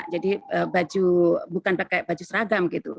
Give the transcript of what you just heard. jadi baju bukan pakai baju seragam gitu